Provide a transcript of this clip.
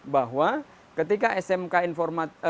bahwa ketika smk informasi